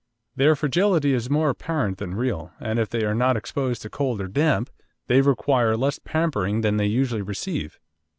Their fragility is more apparent than real, and if they are not exposed to cold or damp, they require less pampering than they usually receive.